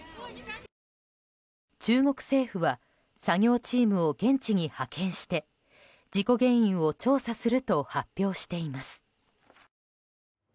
中国政府は作業チームを現地に派遣して事故原因を調査すると発表しています。